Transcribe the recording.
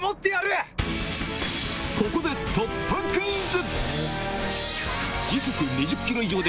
ここで突破クイズ！